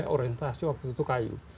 or sjentasi waktu itu kayu